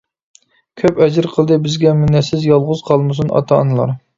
كۆپ ئەجىر قىلدى بىزگە مىننەتسىز، يالغۇز قالمىسۇن ئاتا ئانىلار.